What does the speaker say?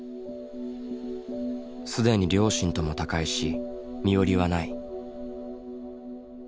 すでに両親とも他界し身寄りはない。